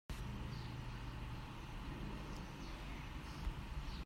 Dawr ah kan kal hna lai.